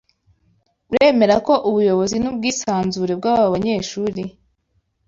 Uremera ko ubuyobozi nubwisanzure bwabanyeshuri